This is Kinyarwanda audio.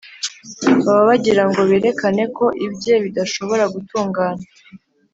baba bagira ngo berekane ko ibye bidashobora gutungana